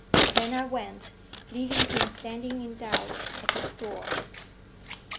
Then I went, leaving him standing in doubt at his door.